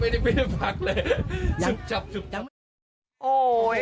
ไม่ได้พิษภักดิ์เลย